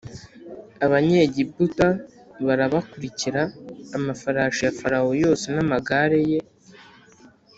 “abanyegiputa barabakurikara; amafarashi ya farawo yose n’amagare ye,